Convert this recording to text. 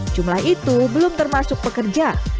jumlah itu belum termasuk pekerja